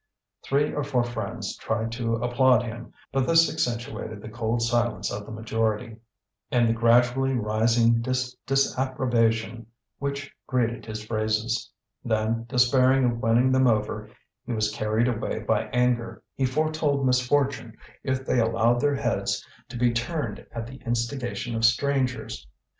Three or four friends tried to applaud him, but this accentuated the cold silence of the majority, and the gradually rising disapprobation which greeted his phrases. Then, despairing of winning them over, he was carried away by anger, he foretold misfortune if they allowed their heads to be turned at the instigation of strangers.